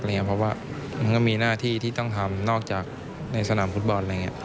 เพราะว่ามันก็มีหน้าที่ที่ต้องทำนอกจากในสนามฟุตบอล